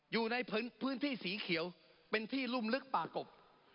อยู่ในพื้นที่สีเขียวเป็นที่รุ่มลึกป่ากบ